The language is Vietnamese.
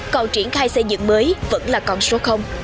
còn triển khai xây dựng mới vẫn là con số